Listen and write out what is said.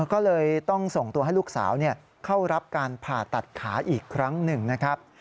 ก็เลยต้องส่งตัวให้ลูกสาวเข้ารับการผ่าตัดขาอีกครั้งหนึ่งนะครับ